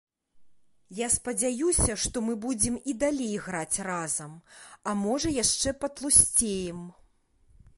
Я спадзяюся, што мы будзем і далей граць разам, а можа, яшчэ патлусцеем.